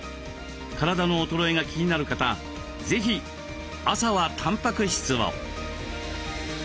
体の衰えが気になる方是非朝はたんぱく質を。